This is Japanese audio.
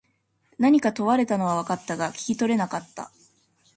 何か問われたのは分かったが、聞き取れなかった。